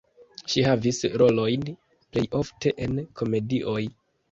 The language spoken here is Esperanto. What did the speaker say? Ŝi havis rolojn plej ofte en komedioj.